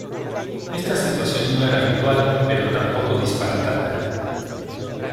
Esta situación no era habitual pero tampoco disparatada.